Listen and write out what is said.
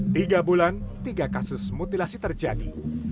tiga bulan tiga kasus mutilasi terjadi